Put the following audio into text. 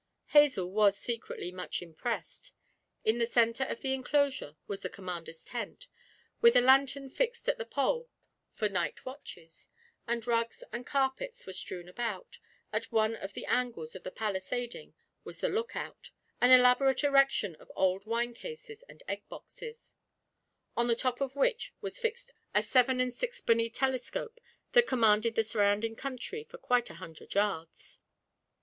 Hazel was secretly much impressed. In the centre of the enclosure was the commander's tent, with a lantern fixed at the pole for night watches; and rugs and carpets were strewn about; at one of the angles of the palisading was the look out an elaborate erection of old wine cases and egg boxes on the top of which was fixed a seven and sixpenny telescope that commanded the surrounding country for quite a hundred yards.